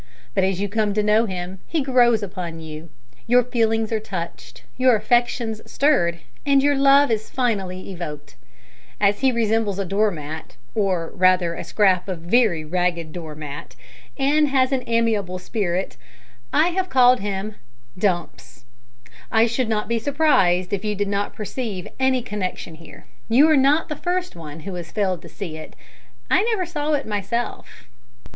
But as you come to know him he grows upon you; your feelings are touched, your affections stirred, and your love is finally evoked. As he resembles a door mat, or rather a scrap of very ragged door mat, and has an amiable spirit, I have called him "Dumps." I should not be surprised if you did not perceive any connection here. You are not the first who has failed to see it; I never saw it myself.